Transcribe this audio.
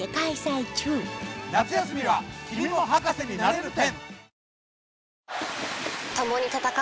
夏休みは君も博士になれる展！